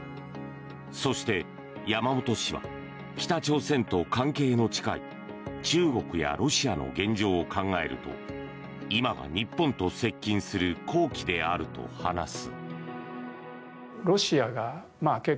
そして山本氏は北朝鮮と関係の近い中国やロシアの現状を考えると今が日本と接近する好機であると話す。